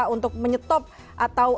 untuk menyetop atas